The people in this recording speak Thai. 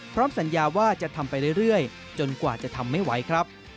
สัญญาว่าจะทำไปเรื่อยจนกว่าจะทำไม่ไหวครับ